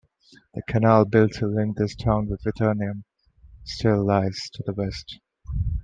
The canal built to link this town with Vedaranyam still lies to the west.